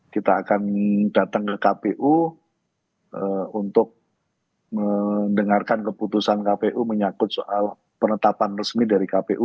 kita akan datang ke kpu untuk mendengarkan keputusan kpu menyakut soal penetapan resmi dari kpu